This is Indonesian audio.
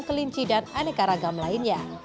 kelinci dan aneka ragam lainnya